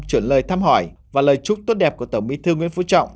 chuyển lời thăm hỏi và lời chúc tốt đẹp của tổng bí thư nguyễn phú trọng